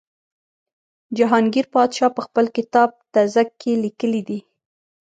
جهانګیر پادشاه په خپل کتاب تزک کې لیکلي دي.